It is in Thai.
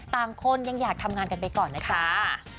ต่างคนยังอยากทำงานกันไปก่อนนะจ๊ะ